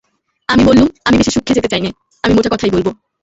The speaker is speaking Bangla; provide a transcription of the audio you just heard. আমি বললুম, আমি বেশি সূক্ষ্মে যেতে চাই নে, আমি মোটা কথাই বলব।